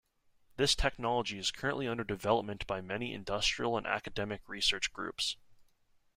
This technology is currently under development by many industrial and academic research groups.